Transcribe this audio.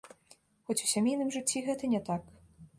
Хоць у сямейным жыцці гэта не так.